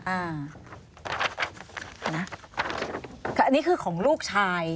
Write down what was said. อันนี้คือของลูกชาย